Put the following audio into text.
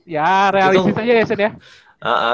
ya realistis aja ya sun ya